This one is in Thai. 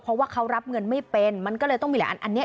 เพราะว่าเขารับเงินไม่เป็นมันก็เลยต้องมีหลายอันอันนี้